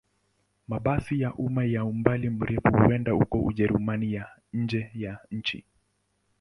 Mabasi ya umma ya umbali mrefu huenda huko Ujerumani na nje ya nchi.